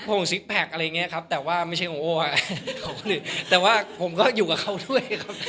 ของซิกแพคอะไรอย่างเงี้ยครับแต่ว่าไม่ใช่ของโอ้แต่ว่าผมก็อยู่กับเขาด้วยครับ